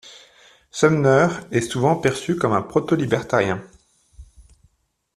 Sumner est souvent perçu comme un proto-libertarien.